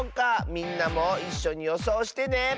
みんなもいっしょによそうしてね！